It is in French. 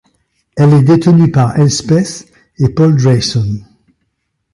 Elle est détenue par Eslpeth et Paul Drayson.